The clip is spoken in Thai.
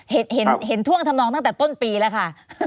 เห็นท่วงทำนองตั้งแต่ต้นปีแล้วค่ะ